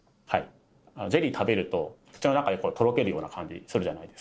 ゼリーを食べると口の中でとろけるような感じするじゃないですか。